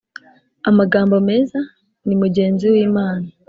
amagambo meza ni mugenzi w'Imana